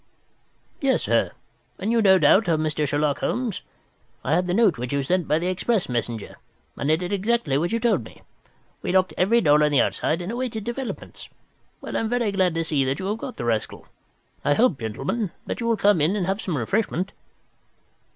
"Yes, sir; and you, no doubt, are Mr. Sherlock Holmes? I had the note which you sent by the express messenger, and I did exactly what you told me. We locked every door on the inside and awaited developments. Well, I'm very glad to see that you have got the rascal. I hope, gentlemen, that you will come in and have some refreshment."